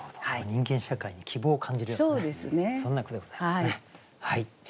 人間社会に希望を感じるようなそんな句でございますね。